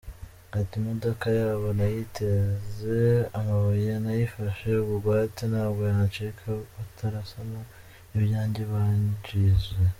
Ati “Imodoka yabo nayiteze amabuye, nayifashe bugwate ntabwo yancika batarasana ibyanjye bangije.